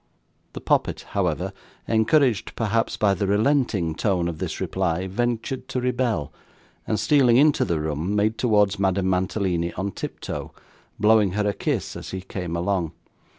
The poppet, however, encouraged perhaps by the relenting tone of this reply, ventured to rebel, and, stealing into the room, made towards Madame Mantalini on tiptoe, blowing her a kiss as he came along.